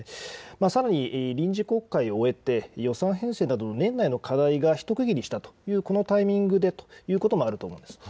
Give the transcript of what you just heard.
さらに臨時国会を終えて予算編成などの年内の課題が一区切りしたというこのタイミングでということもあると思います。